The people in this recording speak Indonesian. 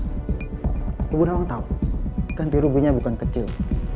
tapi bunawang tahu ganti ruginya bukan kecil